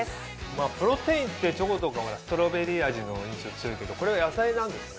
プロテインってチョコとかストロベリー味の印象強いけどこれは野菜なんですね。